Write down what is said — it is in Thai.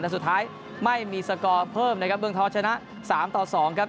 แต่สุดท้ายไม่มีสกอร์เพิ่มนะครับเมืองทองชนะ๓ต่อ๒ครับ